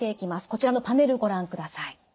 こちらのパネルご覧ください。